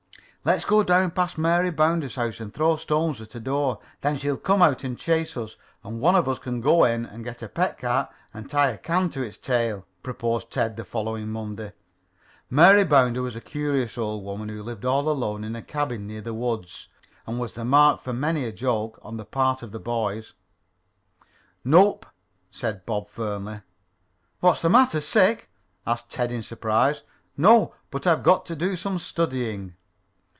"Let's go down past old Mary Bounder's house and throw stones at the door. Then she'll come out and chase us and one of us can go in and get her pet cat and tie a can to its tail," proposed Ted the following Monday. Mary Bounder was a curious old woman, who lived all alone in a cabin near the woods, and was the mark for many a joke on the part of the boys. "Nope," said Bob firmly. "What's the matter? Sick?" asked Ted in surprise. "No, but I've got to do some studying."